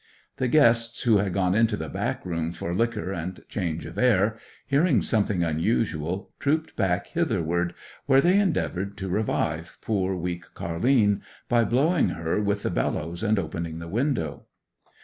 The guests who had gone into the back room for liquor and change of air, hearing something unusual, trooped back hitherward, where they endeavoured to revive poor, weak Car'line by blowing her with the bellows and opening the window.